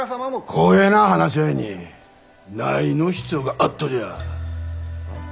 こげな話し合いに何の必要があっとじゃ！